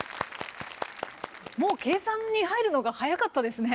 もう計算に入るのが早かったですね。